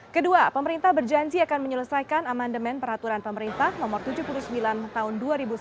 kedua pemerintah berjanji akan menyelesaikan amendement peraturan pemerintah nomor tujuh puluh sembilan tahun dua ribu sepuluh